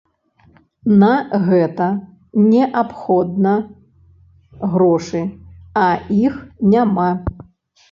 На гэта неабходна грошы, а іх няма.